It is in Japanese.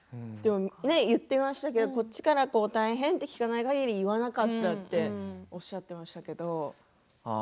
言っていましたけれどこっちから大変？と聞かないかぎり言わなかったとおっしゃっていましたけれど。